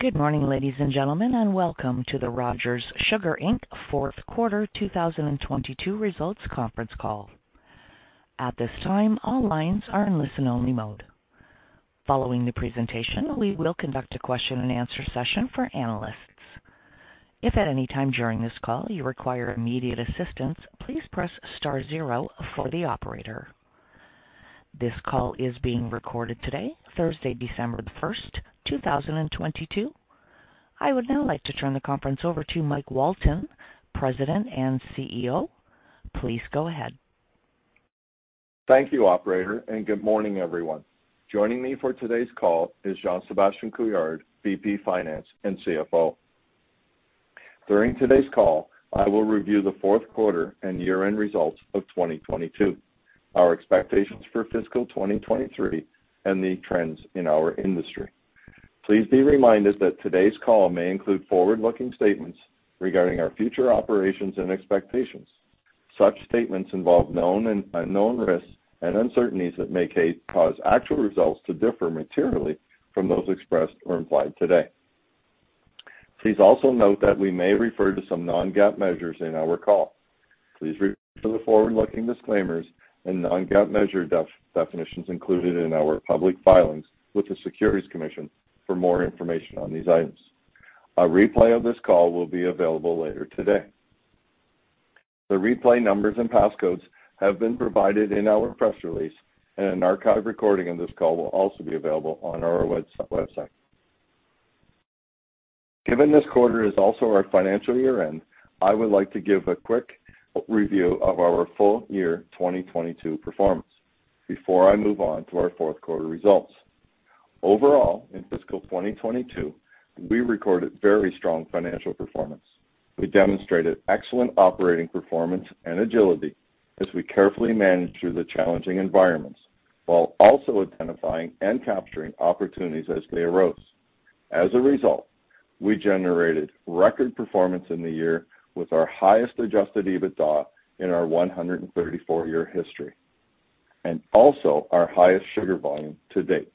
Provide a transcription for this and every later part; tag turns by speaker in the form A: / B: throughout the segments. A: Good morning, ladies and gentlemen, and welcome to the Rogers Sugar Inc fourth quarter 2022 results conference call. At this time, all lines are in listen-only mode. Following the presentation, we will conduct a question-and-answer session for analysts. If at any time during this call you require immediate assistance, please press star zero for the operator. This call is being recorded today, Thursday, December the 1st, 2022. I would now like to turn the conference over to Mike Walton, President and CEO. Please go ahead.
B: Thank you, operator. Good morning, everyone. Joining me for today's call is Jean-Sébastien Couillard, VP Finance and CFO. During today's call, I will review the fourth quarter and year-end results of 2022, our expectations for fiscal 2023, and the trends in our industry. Please be reminded that today's call may include forward-looking statements regarding our future operations and expectations. Such statements involve known and unknown risks and uncertainties that may cause actual results to differ materially from those expressed or implied today. Please also note that we may refer to some non-GAAP measures in our call. Please refer to the forward-looking disclaimers and non-GAAP measure definitions included in our public filings with the Securities Commission for more information on these items. A replay of this call will be available later today. The replay numbers and passcodes have been provided in our press release. An archive recording of this call will also be available on our website. Given this quarter is also our financial year-end, I would like to give a quick review of our full year 2022 performance before I move on to our fourth quarter results. Overall, in fiscal 2022, we recorded very strong financial performance. We demonstrated excellent operating performance and agility as we carefully managed through the challenging environments while also identifying and capturing opportunities as they arose. As a result, we generated record performance in the year with our highest adjusted EBITDA in our 134 year history, and also our highest sugar volume to date.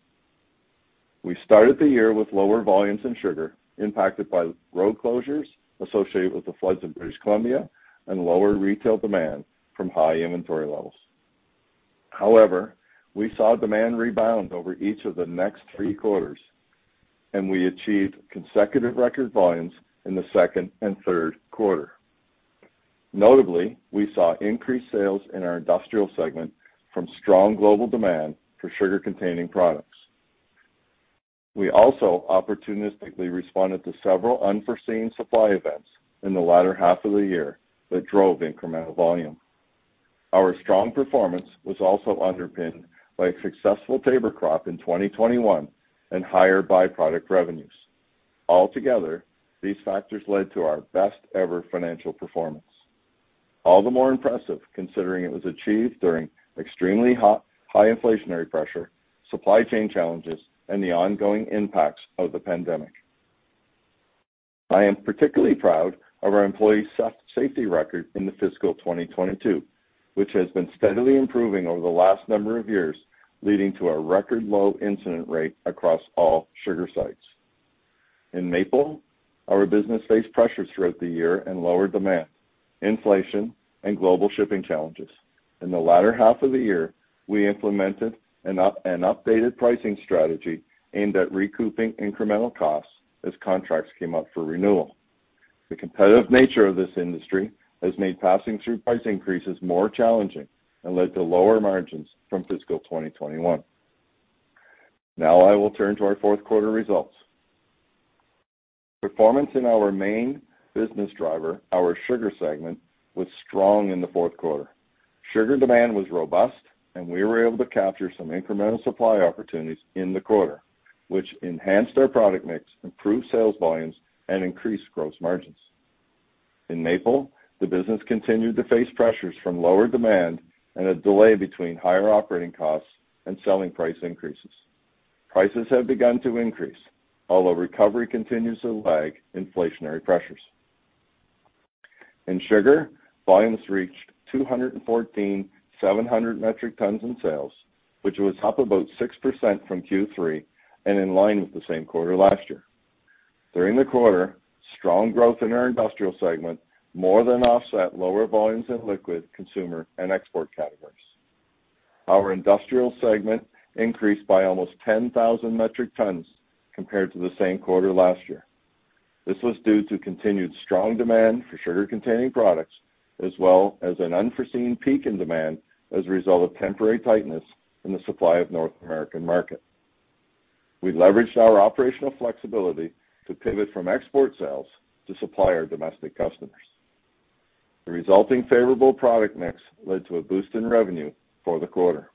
B: We started the year with lower volumes in sugar, impacted by road closures associated with the floods in British Columbia and lower retail demand from high inventory levels. We saw demand rebound over each of the next three quarters, and we achieved consecutive record volumes in the second and third quarter. We saw increased sales in our industrial segment from strong global demand for sugar-containing products. We also opportunistically responded to several unforeseen supply events in the latter half of the year that drove incremental volume. Our strong performance was also underpinned by a successful table crop in 2021 and higher byproduct revenues. These factors led to our best ever financial performance. All the more impressive considering it was achieved during extremely hot, high inflationary pressure, supply chain challenges, and the ongoing impacts of the pandemic. I am particularly proud of our employee safety record in the fiscal 2022, which has been steadily improving over the last number of years, leading to a record low incident rate across all sugar sites. In maple, our business faced pressures throughout the year and lower demand, inflation, and global shipping challenges. In the latter half of the year, we implemented an updated pricing strategy aimed at recouping incremental costs as contracts came up for renewal. The competitive nature of this industry has made passing through price increases more challenging and led to lower margins from fiscal 2021. I will turn to our fourth quarter results. Performance in our main business driver, our sugar segment, was strong in the fourth quarter. Sugar demand was robust, and we were able to capture some incremental supply opportunities in the quarter, which enhanced our product mix, improved sales volumes, and increased gross margins. In maple, the business continued to face pressures from lower demand and a delay between higher operating costs and selling price increases. Prices have begun to increase, although recovery continues to lag inflationary pressures. In sugar, volumes reached 214,700 metric tons in sales, which was up about 6% from Q3 and in line with the same quarter last year. During the quarter, strong growth in our industrial segment more than offset lower volumes in liquid, consumer, and export categories. Our industrial segment increased by almost 10,000 metric tons compared to the same quarter last year. This was due to continued strong demand for sugar-containing products, as well as an unforeseen peak in demand as a result of temporary tightness in the supply of North American market. We leveraged our operational flexibility to pivot from export sales to supply our domestic customers. The resulting favorable product mix led to a boost in revenue for the quarter.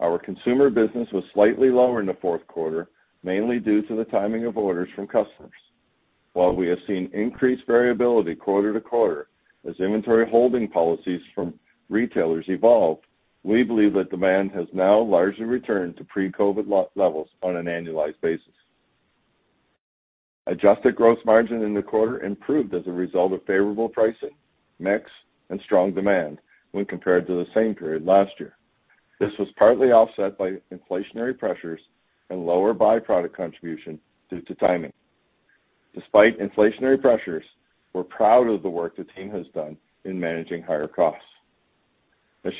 B: Our consumer business was slightly lower in the fourth quarter, mainly due to the timing of orders from customers. While we have seen increased variability quarter-to-quarter as inventory holding policies from retailers evolved, we believe that demand has now largely returned to pre-COVID levels on an annualized basis. Adjusted gross margin in the quarter improved as a result of favorable pricing, mix, and strong demand when compared to the same period last year. This was partly offset by inflationary pressures and lower by-product contribution due to timing. Despite inflationary pressures, we're proud of the work the team has done in managing higher costs.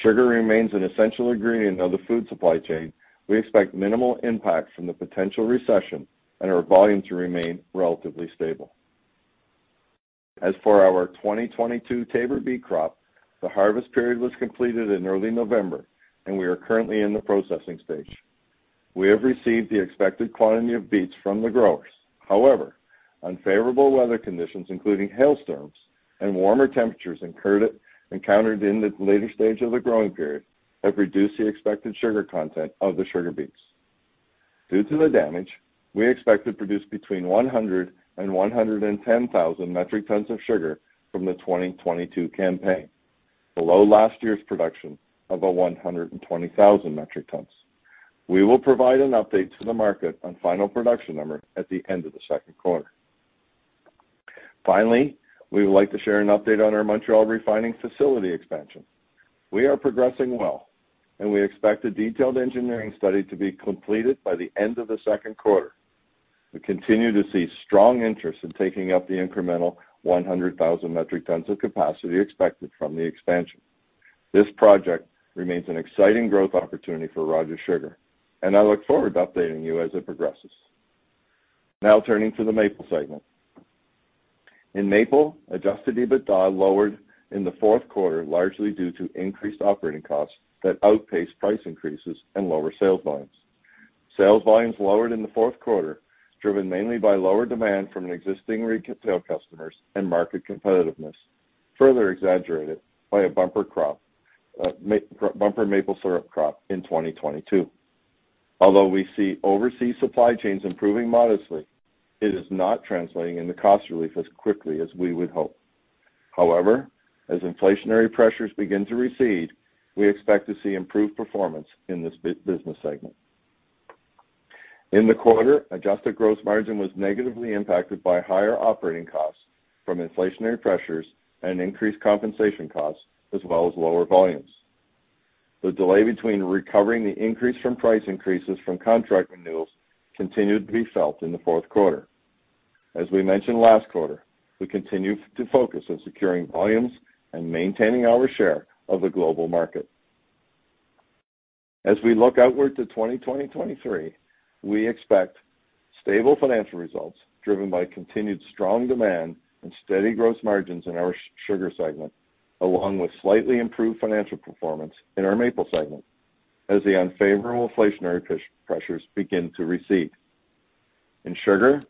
B: Sugar remains an essential ingredient of the food supply chain, we expect minimal impact from the potential recession and our volume to remain relatively stable. For our 2022 table beet crop, the harvest period was completed in early November, and we are currently in the processing stage. We have received the expected quantity of beets from the growers. Unfavorable weather conditions, including hailstorms and warmer temperatures encountered in the later stage of the growing period, have reduced the expected sugar content of the sugar beets. Due to the damage, we expect to produce between 100,000 and 110,000 metric tons of sugar from the 2022 campaign, below last year's production of a 120,000 metric tons. We will provide an update to the market on final production number at the end of the second quarter. We would like to share an update on our Montreal refining facility expansion. We are progressing well, and we expect a detailed engineering study to be completed by the end of the second quarter. We continue to see strong interest in taking up the incremental 100,000 metric tons of capacity expected from the expansion. This project remains an exciting growth opportunity for Rogers Sugar, and I look forward to updating you as it progresses. Turning to the Maple segment. In Maple, adjusted EBITDA lowered in the fourth quarter, largely due to increased operating costs that outpaced price increases and lower sales volumes. Sales volumes lowered in the fourth quarter, driven mainly by lower demand from existing retail customers and market competitiveness, further exaggerated by a bumper maple syrup crop in 2022. We see overseas supply chains improving modestly, it is not translating into cost relief as quickly as we would hope. As inflationary pressures begin to recede, we expect to see improved performance in this business segment. In the quarter, adjusted gross margin was negatively impacted by higher operating costs from inflationary pressures and increased compensation costs, as well as lower volumes. The delay between recovering the increase from price increases from contract renewals continued to be felt in the fourth quarter. We mentioned last quarter, we continue to focus on securing volumes and maintaining our share of the global market. As we look outward to 2020-2023, we expect stable financial results driven by continued strong demand and steady gross margins in our Sugar segment, along with slightly improved financial performance in our Maple segment as the unfavorable inflationary pressures begin to recede. In Sugar,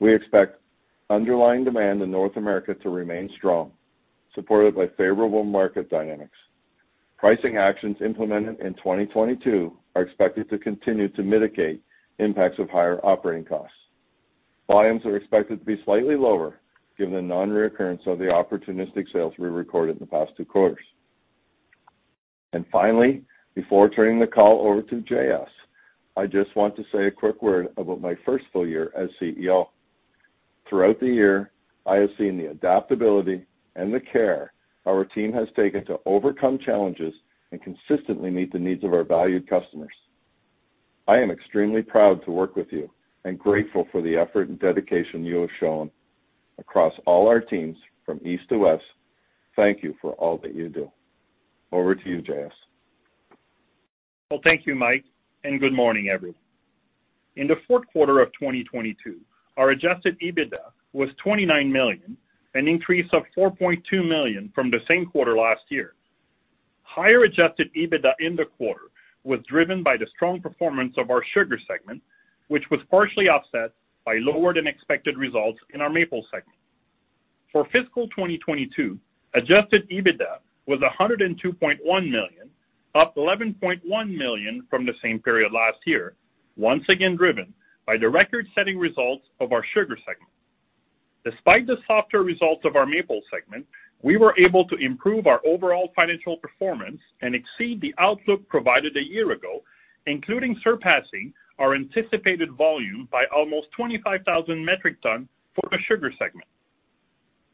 B: we expect underlying demand in North America to remain strong, supported by favorable market dynamics. Pricing actions implemented in 2022 are expected to continue to mitigate impacts of higher operating costs. Volumes are expected to be slightly lower given the non-reoccurrence of the opportunistic sales we recorded in the past two quarters. Finally, before turning the call over to J.S., I just want to say a quick word about my first full year as CEO. Throughout the year, I have seen the adaptability and the care our team has taken to overcome challenges and consistently meet the needs of our valued customers. I am extremely proud to work with you and grateful for the effort and dedication you have shown across all our teams from East to West. Thank you for all that you do. Over to you, J.S.
C: Well, thank you, Mike, and good morning, everyone. In the fourth quarter of 2022, our adjusted EBITDA was 29 million, an increase of 4.2 million from the same quarter last year. Higher adjusted EBITDA in the quarter was driven by the strong performance of our Sugar segment, which was partially offset by lower-than-expected results in our Maple segment. For fiscal 2022, adjusted EBITDA was 102.1 million, up 11.1 million from the same period last year, once again driven by the record-setting results of our Sugar segment. Despite the softer results of our Maple segment, we were able to improve our overall financial performance and exceed the outlook provided a year ago, including surpassing our anticipated volume by almost 25,000 metric ton for the Sugar segment.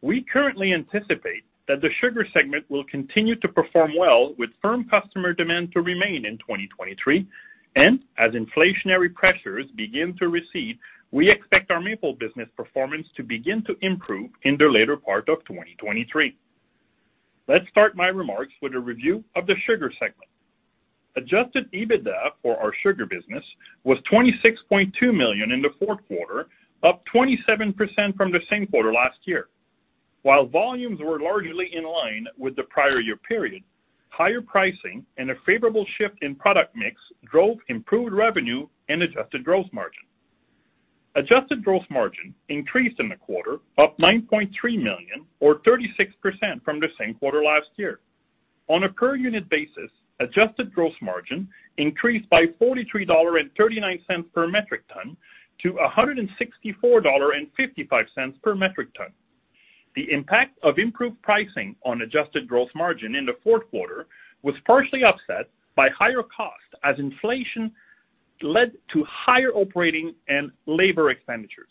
C: We currently anticipate that the Sugar segment will continue to perform well with firm customer demand to remain in 2023. As inflationary pressures begin to recede, we expect our Maple business performance to begin to improve in the later part of 2023. Let's start my remarks with a review of the Sugar segment. adjusted EBITDA for our Sugar business was 26.2 million in the fourth quarter, up 27% from the same quarter last year. While volumes were largely in line with the prior year period, higher pricing and a favorable shift in product mix drove improved revenue and adjusted gross margin. adjusted gross margin increased in the quarter, up 9.3 million or 36% from the same quarter last year. On a per unit basis, adjusted gross margin increased by $43.39 per metric ton to $164.55 per metric ton. The impact of improved pricing on adjusted gross margin in the fourth quarter was partially offset by higher costs as inflation led to higher operating and labor expenditures.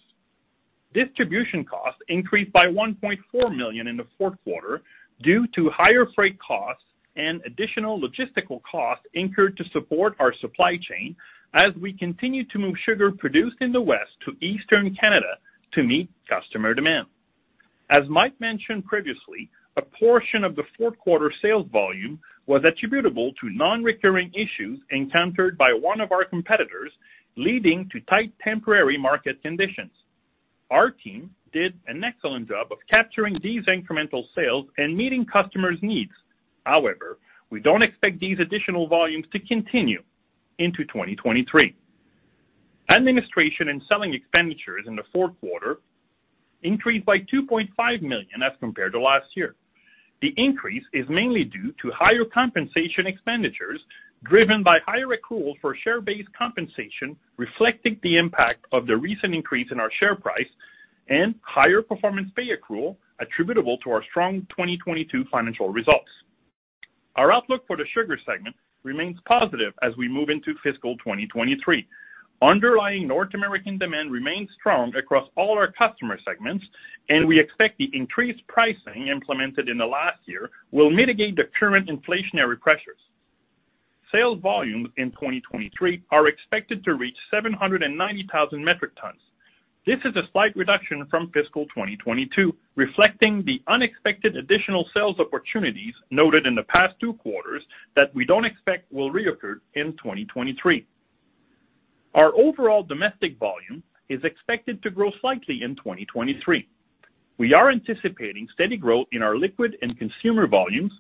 C: Distribution costs increased by $1.4 million in the fourth quarter due to higher freight costs and additional logistical costs incurred to support our supply chain as we continue to move sugar produced in the West to eastern Canada to meet customer demand. As Mike mentioned previously, a portion of the fourth quarter sales volume was attributable to non-recurring issues encountered by one of our competitors, leading to tight temporary market conditions. Our team did an excellent job of capturing these incremental sales and meeting customers' needs. We don't expect these additional volumes to continue into 2023. Administration and selling expenditures in the fourth quarter increased by 2.5 million as compared to last year. The increase is mainly due to higher compensation expenditures driven by higher accruals for share-based compensation, reflecting the impact of the recent increase in our share price and higher performance pay accrual attributable to our strong 2022 financial results. Our outlook for the sugar segment remains positive as we move into fiscal 2023. Underlying North American demand remains strong across all our customer segments, and we expect the increased pricing implemented in the last year will mitigate the current inflationary pressures. Sales volumes in 2023 are expected to reach 790,000 metric tons. This is a slight reduction from fiscal 2022, reflecting the unexpected additional sales opportunities noted in the past two quarters that we don't expect will reoccur in 2023. Our overall domestic volume is expected to grow slightly in 2023. We are anticipating steady growth in our liquid and consumer volumes,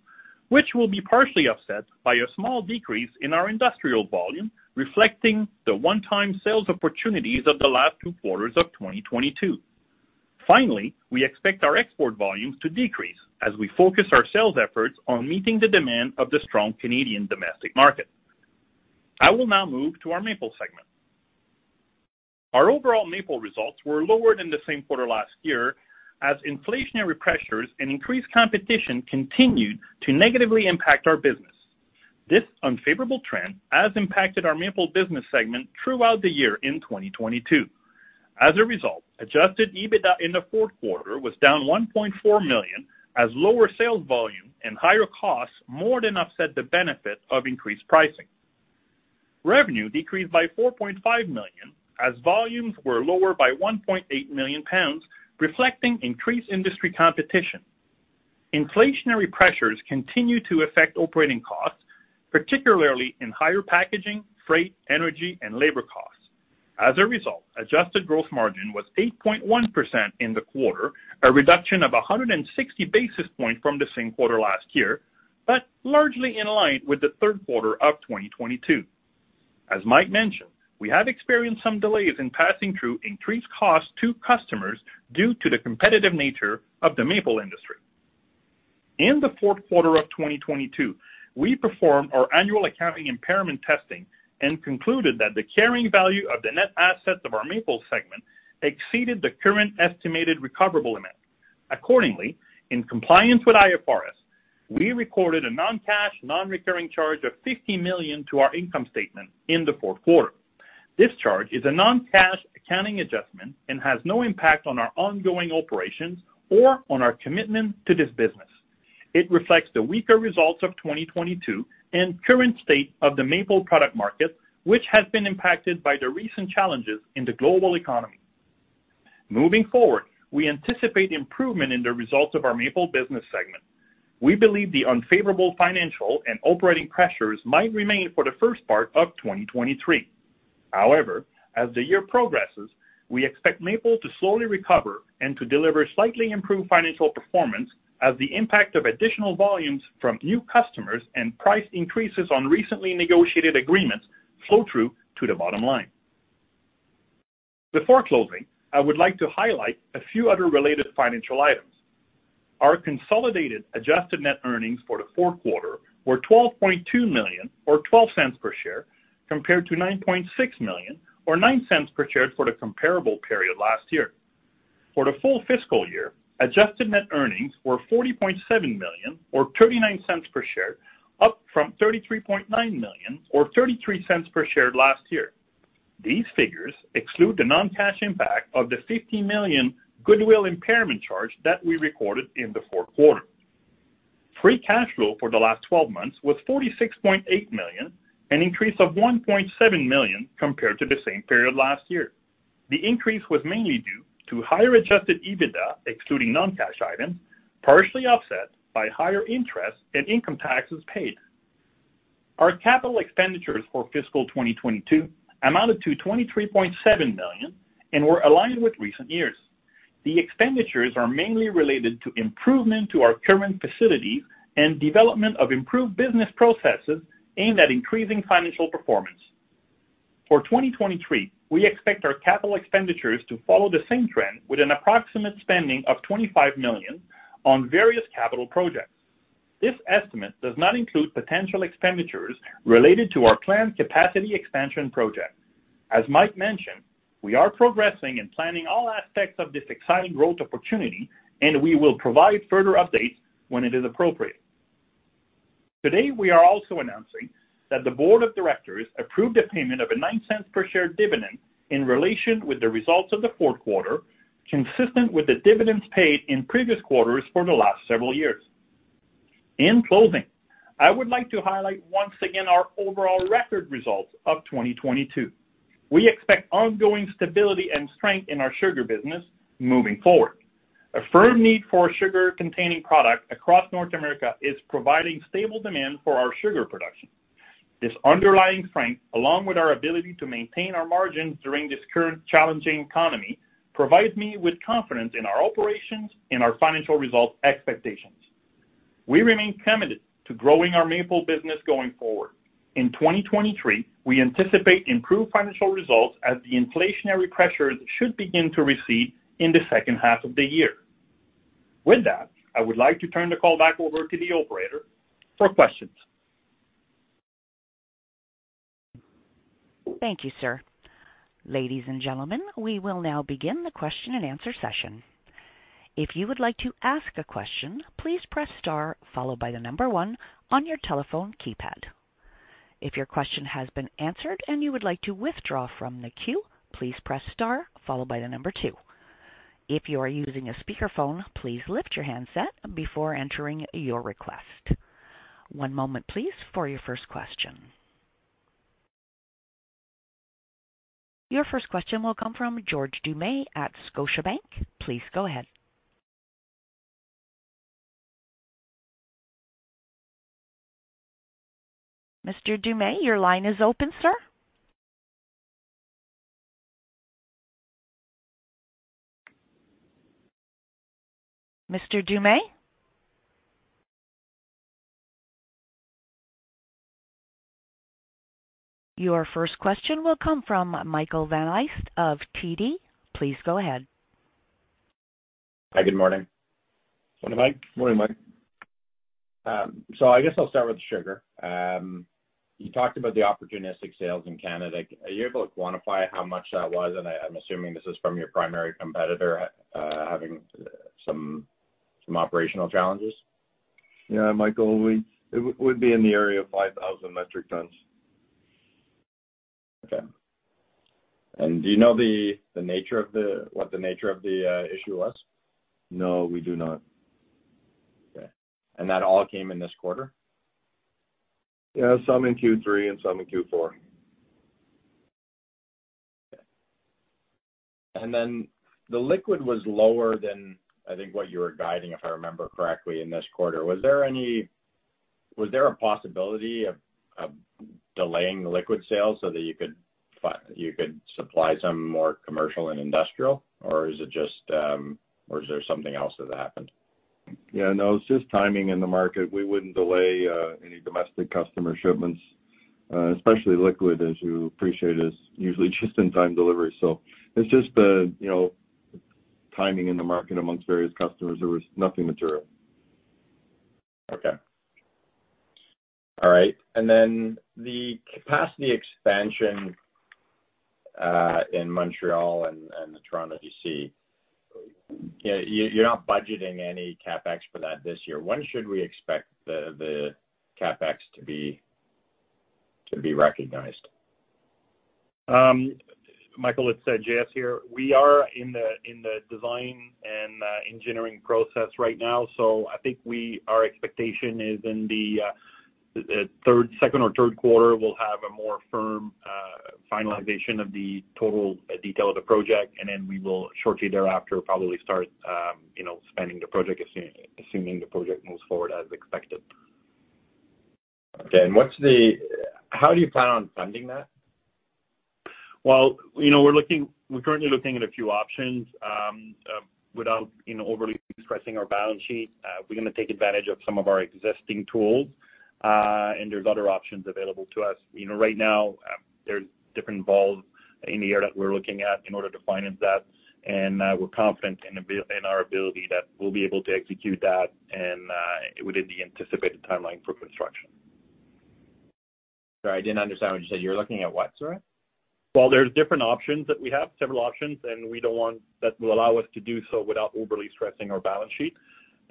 C: which will be partially offset by a small decrease in our industrial volume, reflecting the one-time sales opportunities of the last two quarters of 2022. We expect our export volumes to decrease as we focus our sales efforts on meeting the demand of the strong Canadian domestic market. I will now move to our Maple segment. Our overall Maple results were lower than the same quarter last year as inflationary pressures and increased competition continued to negatively impact our business. This unfavorable trend has impacted our Maple business segment throughout the year in 2022. As a result, adjusted EBITDA in the fourth quarter was down 1.4 million as lower sales volume and higher costs more than offset the benefit of increased pricing. Revenue decreased by 4.5 million as volumes were lower by 1.8 million pounds, reflecting increased industry competition. Inflationary pressures continue to affect operating costs, particularly in higher packaging, freight, energy, and labor costs. As a result, adjusted gross margin was 8.1% in the quarter, a reduction of 160 basis points from the same quarter last year, but largely in line with the third quarter of 2022. As Mike mentioned, we have experienced some delays in passing through increased costs to customers due to the competitive nature of the maple industry. In the fourth quarter of 2022, we performed our annual accounting impairment testing and concluded that the carrying value of the net assets of our Maple segment exceeded the current estimated recoverable amount. Accordingly, in compliance with IFRS, we recorded a non-cash, non-recurring charge of 50 million to our income statement in the fourth quarter. This charge is a non-cash accounting adjustment and has no impact on our ongoing operations or on our commitment to this business. It reflects the weaker results of 2022 and current state of the Maple product market, which has been impacted by the recent challenges in the global economy. Moving forward, we anticipate improvement in the results of our Maple business segment. We believe the unfavorable financial and operating pressures might remain for the first part of 2023. As the year progresses, we expect maple to slowly recover and to deliver slightly improved financial performance as the impact of additional volumes from new customers and price increases on recently negotiated agreements flow through to the bottom line. Before closing, I would like to highlight a few other related financial items. Our consolidated adjusted net earnings for the fourth quarter were 12.2 million or 0.12 per share, compared to 9.6 million or 0.09 per share for the comparable period last year. For the full fiscal year, adjusted net earnings were 40.7 million or 0.39 per share, up from 33.9 million or 0.33 per share last year. These figures exclude the non-cash impact of the 50 million goodwill impairment charge that we recorded in the fourth quarter. Free cash flow for the last 12 months was 46.8 million, an increase of 1.7 million compared to the same period last year. The increase was mainly due to higher adjusted EBITDA, excluding non-cash items, partially offset by higher interest and income taxes paid. Our capital expenditures for fiscal 2022 amounted to 23.7 million and were aligned with recent years. The expenditures are mainly related to improvement to our current facilities and development of improved business processes aimed at increasing financial performance. For 2023, we expect our capital expenditures to follow the same trend with an approximate spending of 25 million on various capital projects. This estimate does not include potential expenditures related to our planned capacity expansion project. As Mike mentioned, we are progressing and planning all aspects of this exciting growth opportunity, and we will provide further updates when it is appropriate. Today, we are also announcing that the board of directors approved a payment of a 0.09 per share dividend in relation with the results of the fourth quarter, consistent with the dividends paid in previous quarters for the last several years. In closing, I would like to highlight once again our overall record results of 2022. We expect ongoing stability and strength in our sugar business moving forward. A firm need for sugar-containing products across North America is providing stable demand for our sugar production. This underlying strength, along with our ability to maintain our margins during this current challenging economy, provides me with confidence in our operations and our financial results expectations. We remain committed to growing our maple business going forward. In 2023, we anticipate improved financial results as the inflationary pressures should begin to recede in the second half of the year. With that, I would like to turn the call back over to the operator for questions.
A: Thank you, sir. Ladies and gentlemen, we will now begin the question and answer session. If you would like to ask a question, please press star followed by the number one on your telephone keypad. If your question has been answered and you would like to withdraw from the queue, please press star followed by the number two. If you are using a speakerphone, please lift your handset before entering your request. One moment please for your first question. Your first question will come from George Doumet at Scotiabank. Please go ahead. Mr. Doumet, your line is open, sir. Mr. Doumet? Your first question will come from Michael Van Aelst of TD. Please go ahead.
D: Hi, good morning.
B: Morning, Mike.
D: I guess I'll start with sugar. You talked about the opportunistic sales in Canada. Are you able to quantify how much that was? I'm assuming this is from your primary competitor, having some operational challenges.
B: Yeah, Michael, it would be in the area of 5,000 metric tons.
D: Okay. Do you know what the nature of the issue was?
B: No, we do not.
D: Okay. That all came in this quarter?
B: Yeah, some in Q3 and some in Q4.
D: Okay. The liquid was lower than, I think, what you were guiding, if I remember correctly, in this quarter. Was there a possibility of delaying the liquid sales so that you could supply some more commercial and industrial? Or is it just, or is there something else that happened?
B: Yeah, no, it's just timing in the market. We wouldn't delay any domestic customer shipments, especially liquid, as you appreciate, is usually just in time delivery. It's just the, you know, timing in the market amongst various customers. There was nothing material.
D: Okay. All right. Then the capacity expansion in Montreal and the Toronto D.C., you're not budgeting any CapEx for that this year. When should we expect the CapEx to be recognized?
C: Michael, it's J.S. here. We are in the design and engineering process right now. I think our expectation is in the third, second or third quarter, we'll have a more firm finalization of the total detail of the project, and then we will shortly thereafter probably start, you know, spending the project, assuming the project moves forward as expected.
D: Okay. How do you plan on funding that?
C: Well, you know, we're currently looking at a few options, without, you know, overly stressing our balance sheet. We're gonna take advantage of some of our existing tools, and there's other options available to us. You know, right now, there's different balls in the air that we're looking at in order to finance that, and we're confident in our ability that we'll be able to execute that and within the anticipated timeline for construction.
D: Sorry, I didn't understand what you said. You're looking at what, sir?
C: Well, there's different options that we have, several options, and that will allow us to do so without overly stressing our balance sheet.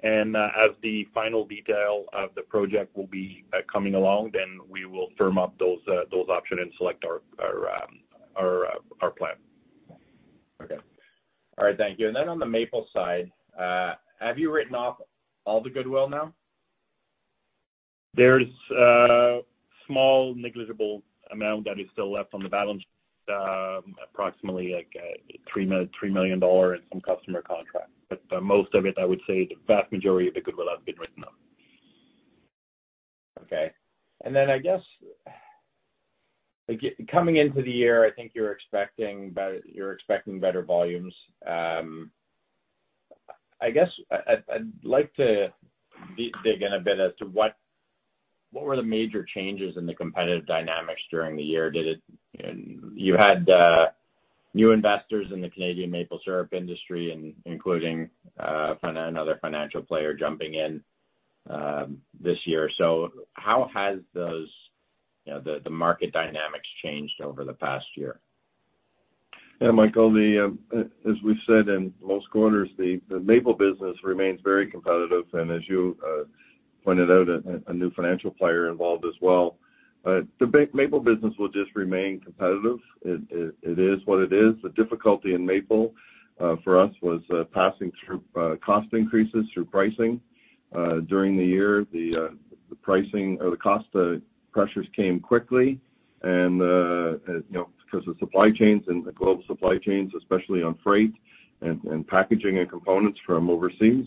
C: As the final detail of the project will be coming along, then we will firm up those options and select our plan.
D: Okay. All right. Thank you. On the Maple side, have you written off all the goodwill now?
C: There's a small negligible amount that is still left on the balance sheet, approximately like, 3 million dollars in some customer contracts. Most of it, I would say the vast majority of the goodwill has been written off.
D: Okay. I guess, coming into the year, I think you're expecting better volumes. I guess I'd like to dig in a bit as to what were the major changes in the competitive dynamics during the year? You had new investors in the Canadian maple syrup industry, including another financial player jumping in this year. How has those, you know, the market dynamics changed over the past year?
B: Yeah, Michael, as we've said in most quarters, the maple business remains very competitive. As you pointed out, a new financial player involved as well. The maple business will just remain competitive. It is what it is. The difficulty in maple for us was passing through cost increases through pricing. During the year, the pricing or the cost pressures came quickly, you know, because the supply chains and the global supply chains, especially on freight and packaging and components from overseas,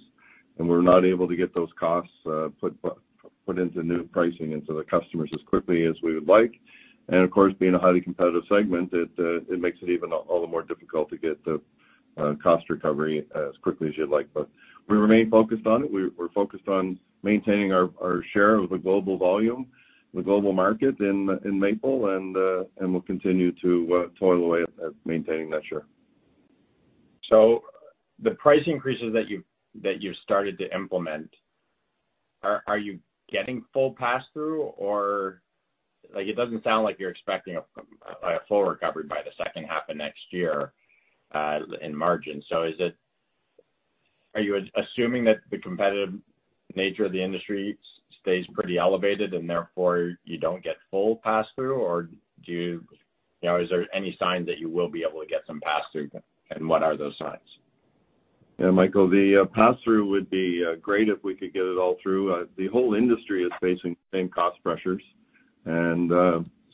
B: and we're not able to get those costs put into new pricing and to the customers as quickly as we would like. Of course, being a highly competitive segment, it makes it even all the more difficult to get the cost recovery as quickly as you'd like. We remain focused on it. We're focused on maintaining our share of the global volume, the global market in maple, and we'll continue to toil away at maintaining that share.
D: The price increases that you've started to implement, are you getting full passthrough? Like, it doesn't sound like you're expecting a full recovery by the second half of next year, in margin. Are you assuming that the competitive nature of the industry stays pretty elevated and therefore you don't get full passthrough or do you know, is there any sign that you will be able to get some passthrough, and what are those signs?
B: Yeah, Michael, the passthrough would be great if we could get it all through. The whole industry is facing the same cost pressures.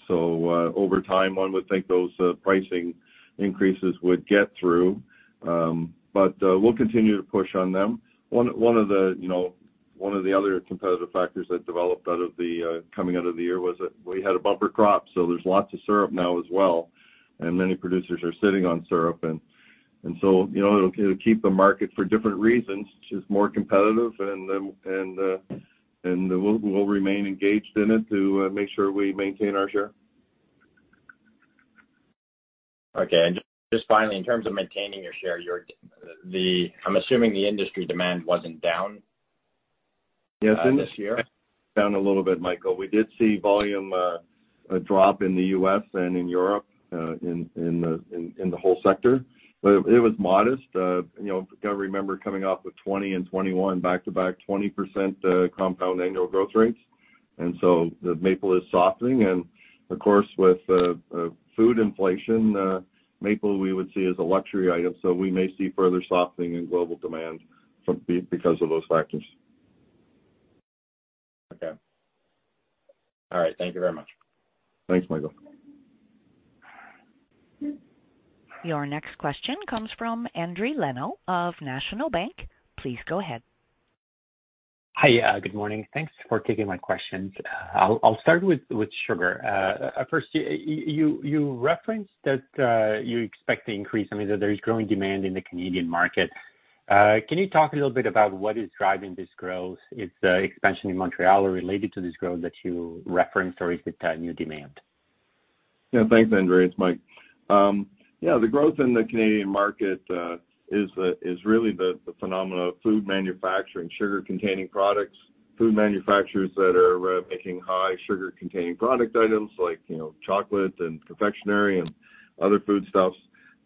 B: Over time, one would think those pricing increases would get through. We'll continue to push on them. One of the, you know, one of the other competitive factors that developed out of the coming out of the year was that we had a bumper crop, so there's lots of syrup now as well, and many producers are sitting on syrup. So, you know, it'll keep the market for different reasons, which is more competitive. We'll remain engaged in it to make sure we maintain our share.
D: Okay. just finally, in terms of maintaining your share, your, I'm assuming the industry demand wasn't down this year.
B: Yes, it was down a little bit, Michael. We did see volume drop in the U.S. and in Europe in the whole sector, but it was modest. You know, you gotta remember coming off of 2020 and 2021 back to back 20% compound annual growth rates. The maple is softening. With food inflation, maple, we would see as a luxury item. We may see further softening in global demand because of those factors.
D: Okay. All right. Thank you very much.
B: Thanks, Michael.
A: Your next question comes from Endri Leno of National Bank. Please go ahead.
E: Hi. Good morning. Thanks for taking my questions. I'll start with sugar. At first, you referenced that, I mean, that there is growing demand in the Canadian market. Can you talk a little bit about what is driving this growth? It's expansion in Montreal related to this growth that you referenced or is it new demand?
B: Yeah. Thanks, Endri. It's Mike. Yeah, the growth in the Canadian market is really the phenomena of food manufacturing, sugar containing products. Food manufacturers that are making high sugar containing product items like, you know, chocolate and confectionery and other foodstuffs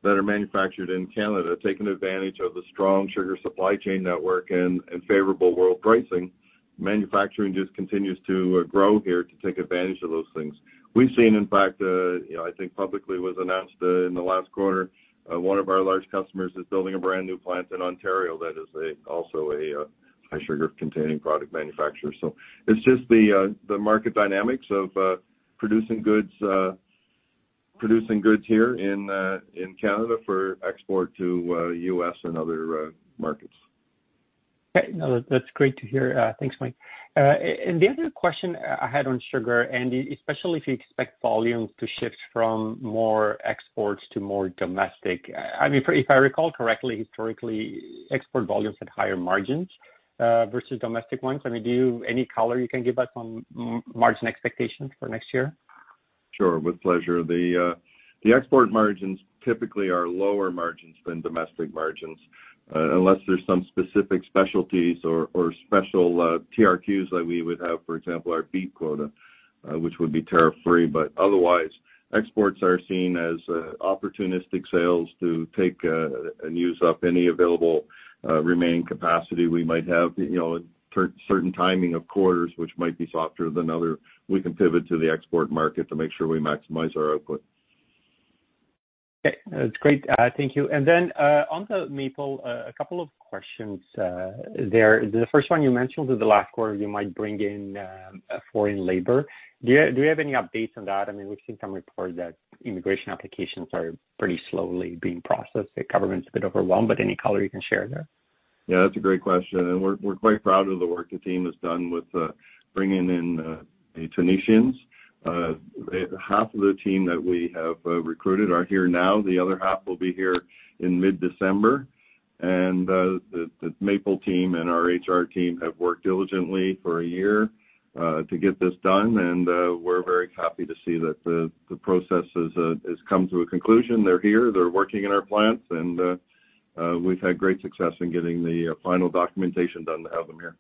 B: that are manufactured in Canada, taking advantage of the strong sugar supply chain network and favorable world pricing. Manufacturing just continues to grow here to take advantage of those things. We've seen, in fact, you know, I think publicly was announced in the last quarter, one of our large customers is building a brand new plant in Ontario that is also a high sugar containing product manufacturer. It's just the market dynamics of producing goods here in Canada for export to U.S. and other markets.
E: Okay. No, that's great to hear. Thanks, Mike. The other question I had on sugar, and especially if you expect volumes to shift from more exports to more domestic. I mean, if I recall correctly, historically, export volumes had higher margins versus domestic ones. I mean, Any color you can give us on margin expectations for next year?
B: Sure. With pleasure. The export margins typically are lower margins than domestic margins, unless there's some specific specialties or special TRQs that we would have, for example, our beet quota, which would be tariff free. Otherwise, exports are seen as opportunistic sales to take and use up any available remaining capacity we might have. You know, certain timing of quarters, which might be softer than other, we can pivot to the export market to make sure we maximize our output.
E: Okay. That's great. Thank you. Then, on the maple, a couple of questions, there. The first one you mentioned in the last quarter, you might bring in, foreign labor. Do you have any updates on that? I mean, we've seen some reports that immigration applications are pretty slowly being processed. The government's a bit overwhelmed, but any color you can share there?
B: Yeah, that's a great question, we're quite proud of the work the team has done with bringing in the Tunisians. Half of the team that we have recruited are here now. The other half will be here in mid-December. The Maple team and our HR team have worked diligently for a year to get this done, we're very happy to see that the process has come to a conclusion. They're here, they're working in our plants, we've had great success in getting the final documentation done to have them here.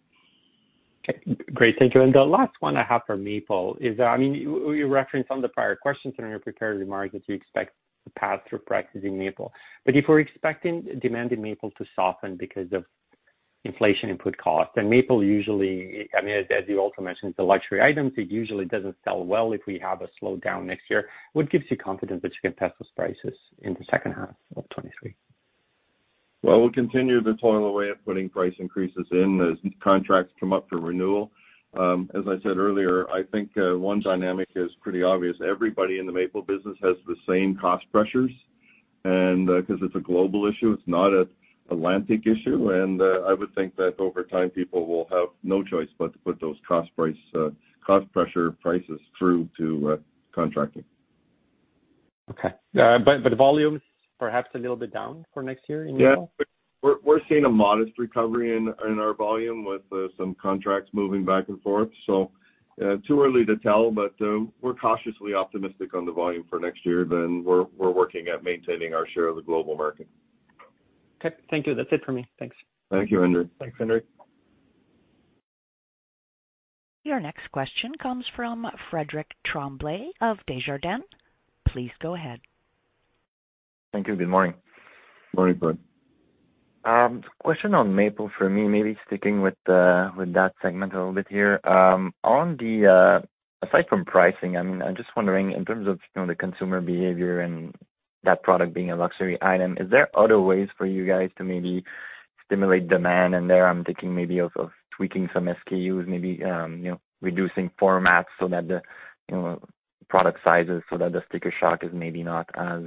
E: Okay. Great. Thank you. The last one I have for Maple is, I mean, you referenced on the prior questions in your prepared remarks that you expect the path through prices in Maple. If we're expecting demand in Maple to soften because of inflation input costs, and Maple usually, I mean, as you also mentioned, it's a luxury item, so it usually doesn't sell well if we have a slowdown next year. What gives you confidence that you can pass those prices in the second half of 2023?
B: Well, we'll continue to toil away at putting price increases in as contracts come up for renewal. As I said earlier, I think, one dynamic is pretty obvious. Everybody in the maple business has the same cost pressures and, 'cause it's a global issue, it's not an Atlantic issue. I would think that over time, people will have no choice but to put those cost price, cost pressure prices through to, contracting.
E: Okay. volumes perhaps a little bit down for next year in Maple?
B: Yeah. We're seeing a modest recovery in our volume with some contracts moving back and forth. Too early to tell, but we're cautiously optimistic on the volume for next year. We're working at maintaining our share of the global market.
E: Okay. Thank you. That's it for me. Thanks.
B: Thank you, Endri.
C: Thanks, Endri.
A: Your next question comes from Frédéric Tremblay of Desjardins. Please go ahead.
F: Thank you. Good morning.
B: Morning, Fred.
F: Question on maple for me, maybe sticking with that segment a little bit here. On the aside from pricing, I'm just wondering in terms of, you know, the consumer behavior and that product being a luxury item, is there other ways for you guys to maybe stimulate demand? There, I'm thinking maybe of tweaking some SKUs, maybe, you know, reducing formats so that the, you know, product sizes, so that the sticker shock is maybe not as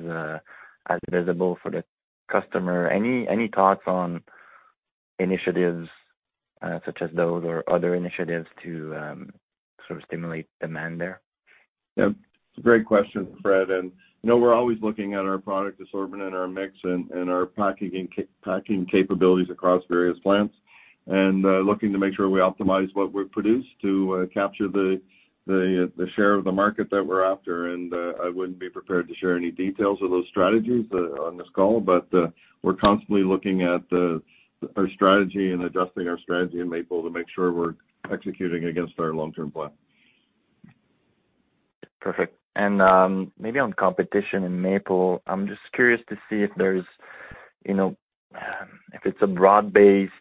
F: visible for the customer. Any thoughts on initiatives such as those or other initiatives to sort of stimulate demand there?
B: Yeah. It's a great question, Fred. You know, we're always looking at our product assortment and our mix and, our packing capabilities across various plants, looking to make sure we optimize what we produce to capture the share of the market that we're after. I wouldn't be prepared to share any details of those strategies on this call, but we're constantly looking at our strategy and adjusting our strategy in Maple to make sure we're executing against our long-term plan.
F: Perfect. Maybe on competition in Maple, I'm just curious to see if there's, you know, if it's a broad-based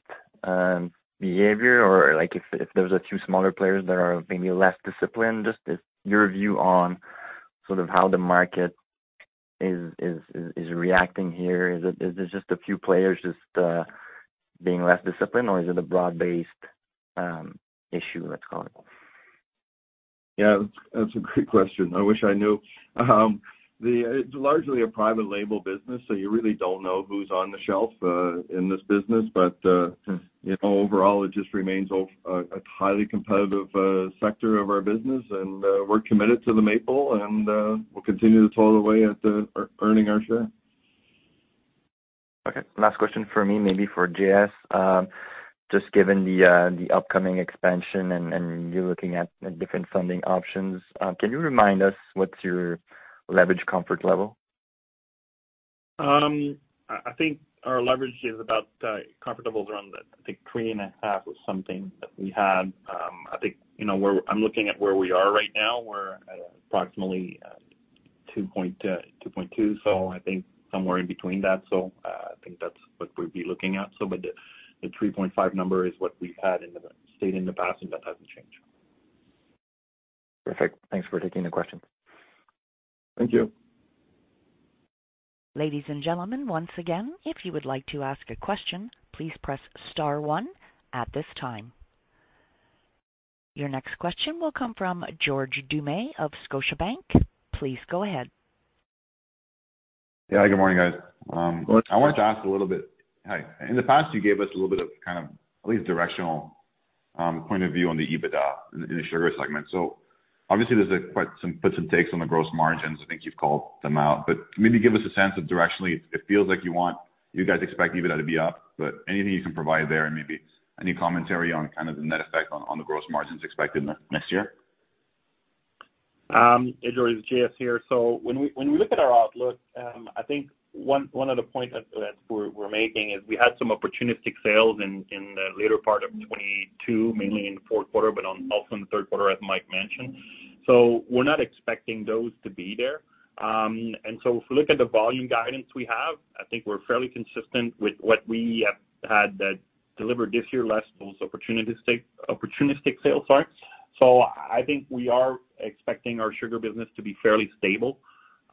F: behavior or like if there's a few smaller players that are maybe less disciplined, just if your view on sort of how the market is reacting here. Is this just a few players just being less disciplined, or is it a broad-based issue, let's call it?
B: That's a great question. I wish I knew. It's largely a private label business, so you really don't know who's on the shelf in this business. You know, overall, it just remains of a highly competitive sector of our business. We're committed to the Maple and, we'll continue to toil away at earning our share.
F: Okay. Last question for me, maybe for J.S. Just given the upcoming expansion and you're looking at different funding options, can you remind us what's your leverage comfort level?
C: I think our leverage is about, comfort level is around, I think three and a half or something that we had. I think, you know, I'm looking at where we are right now. We're at approximately, 2.2. I think somewhere in between that. I think that's what we'd be looking at. The 3.5 number is what we've had stated in the past, and that hasn't changed.
F: Perfect. Thanks for taking the question.
C: Thank you.
A: Ladies and gentlemen, once again, if you would like to ask a question, please press star one at this time. Your next question will come from George Doumet of Scotiabank. Please go ahead.
G: Yeah. Good morning, guys.
B: Good morning.
G: I wanted to ask a little bit. Hi. In the past, you gave us a little bit of, kind of, at least directional, point of view on the EBITDA in the Sugar segment. Obviously there's, like, quite some puts and takes on the gross margins. I think you've called them out. Maybe give us a sense of directionally, it feels like you guys expect EBITDA to be up, but anything you can provide there and maybe any commentary on kind of the net effect on the gross margins expected next year?
C: Hey, George, it's J.S. here. When we look at our outlook, I think one of the point that we're making is we had some opportunistic sales in the later part of 2022, mainly in the fourth quarter, but also in the third quarter, as Mike mentioned. We're not expecting those to be there. If we look at the volume guidance we have, I think we're fairly consistent with what we have had that delivered this year, less those opportunistic sales. Sorry. I think we are expecting our sugar business to be fairly stable.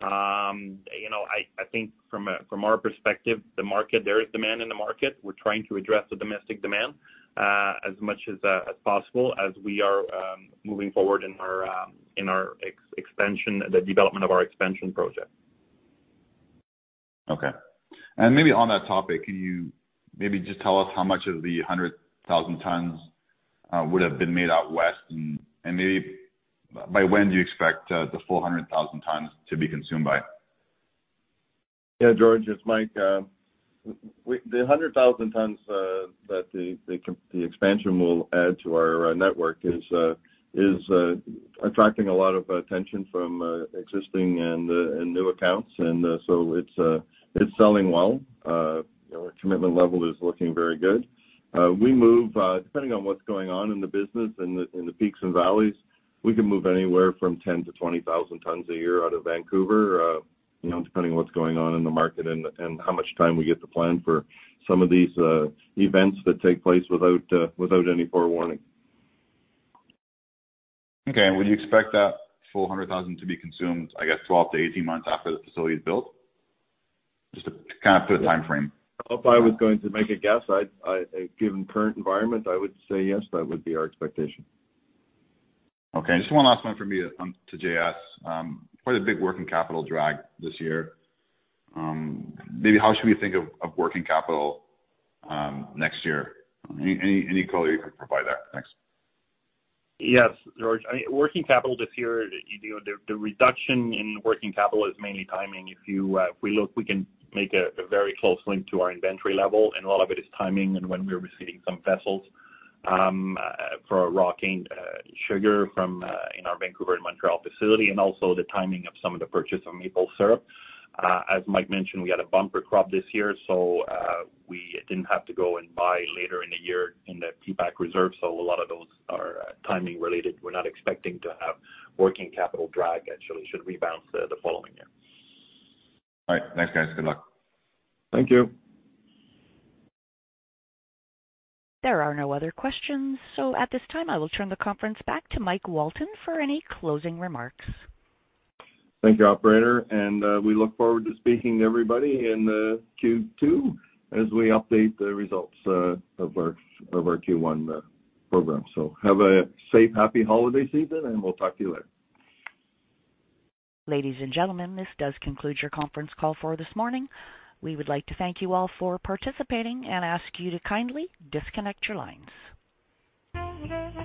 C: You know, I think from our perspective, the market, there is demand in the market. We're trying to address the domestic demand, as much as possible as we are moving forward in our expansion, the development of our expansion project.
G: Okay. Maybe on that topic, can you maybe just tell us how much of the 100,000 tons? Would have been made out west and maybe by when do you expect the 400,000 tons to be consumed by?
B: Yeah, George, it's Mike. The 100,000 tons that the expansion will add to our network is attracting a lot of attention from existing and new accounts. So it's selling well. You know, our commitment level is looking very good. We move, depending on what's going on in the business, in the, in the peaks and valleys, we can move anywhere from 10,000-20,000 tons a year out of Vancouver, you know, depending on what's going on in the market and how much time we get to plan for some of these events that take place without any forewarning.
G: Okay. would you expect that 400,000 to be consumed, I guess, 12-18 months after the facility is built? Just to kind of put a timeframe.
B: If I was going to make a guess, given current environment, I would say yes, that would be our expectation.
G: Okay. Just one last one from me to J.S. Quite a big working capital drag this year. Maybe how should we think of working capital next year? Any, any color you could provide there? Thanks.
C: Yes, George. I mean, working capital this year, you know, the reduction in working capital is mainly timing. If you, if we look, we can make a very close link to our inventory level, and a lot of it is timing and when we're receiving some vessels for raw cane sugar from in our Vancouver and Montreal facility, and also the timing of some of the purchase of maple syrup. As Mike mentioned, we had a bumper crop this year, we didn't have to go and buy later in the year in the peak reserve. A lot of those are timing related. We're not expecting to have working capital drag. Actually, it should rebound the following year.
G: All right. Thanks, guys. Good luck.
B: Thank you.
A: There are no other questions. At this time, I will turn the conference back to Mike Walton for any closing remarks.
B: Thank you, operator. We look forward to speaking to everybody in Q2 as we update the results of our Q1 program. Have a safe, happy holiday season, and we'll talk to you later.
A: Ladies and gentlemen, this does conclude your conference call for this morning. We would like to thank you all for participating and ask you to kindly disconnect your lines.